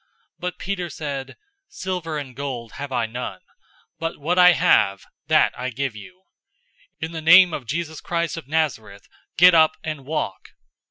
003:006 But Peter said, "Silver and gold have I none, but what I have, that I give you. In the name of Jesus Christ of Nazareth, get up and walk!"